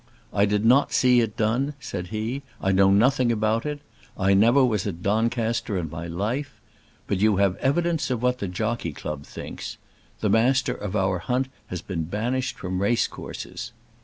"I did not see it done," said he. "I know nothing about it. I never was at Doncaster in my life. But you have evidence of what the Jockey Club thinks. The Master of our Hunt has been banished from racecourses."